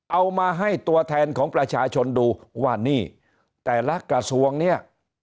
เอามาให้ตัวแทนของประชาชนดูว่านี่